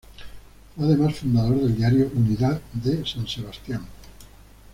Fue además fundador del diario "Unidad" de San Sebastián.